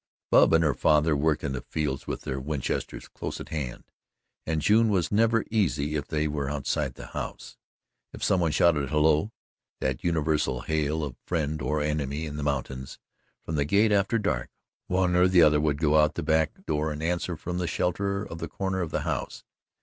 Bub and her father worked in the fields with their Winchesters close at hand, and June was never easy if they were outside the house. If somebody shouted "hello" that universal hail of friend or enemy in the mountains from the gate after dark, one or the other would go out the back door and answer from the shelter of the corner of the house.